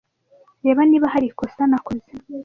reba niba hari ikosa nakoze